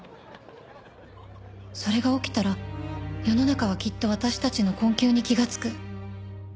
「それが起きたら世の中はきっと私たちの困窮に気がつく」